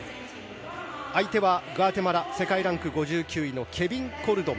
相手はグアテマラ世界ランキング５９位のケビン・コルドン。